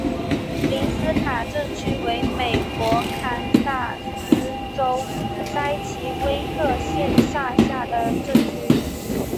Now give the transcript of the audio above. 宁斯卡镇区为美国堪萨斯州塞奇威克县辖下的镇区。